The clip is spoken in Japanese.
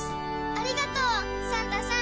ありがとうサンタさん！